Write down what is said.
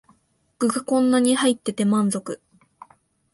具がこんなに入ってて満足